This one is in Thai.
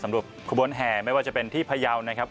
ขบวนแห่ไม่ว่าจะเป็นที่พยาวนะครับ